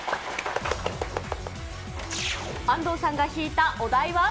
安藤さんが引いたお題は？